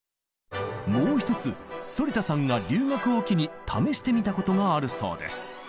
もう一つ反田さんが留学を機に試してみたことがあるそうです。